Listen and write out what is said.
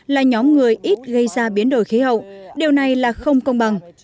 là nhóm người ít gây ra biến đổi khí hậu điều này là không công bằng